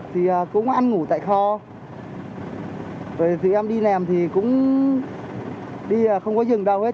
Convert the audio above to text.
thì cũng ăn ngủ tại kho rồi thì em đi nèm thì cũng đi không có dừng đâu hết